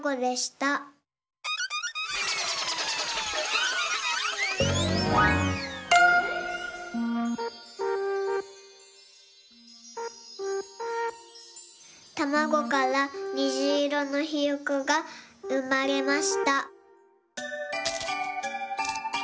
たまごからにじいろのひよこがうまれました。